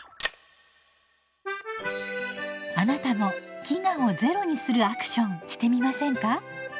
あなたも飢餓をゼロにするアクションしてみませんか？